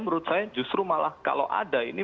menurut saya justru malah kalau ada ini